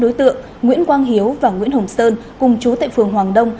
đối tượng nguyễn quang hiếu và nguyễn hồng sơn cùng chú tại phường hoàng đông